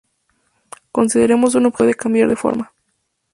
Consideremos un objeto que puede cambiar de forma.